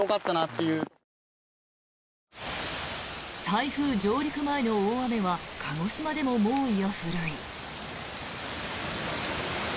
台風上陸前の大雨は鹿児島でも猛威を振るい。